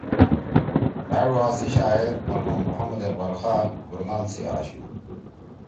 مھأ ڙوا سی شاعر مرحوم محمداقبال خان گورنال سی آشُو۔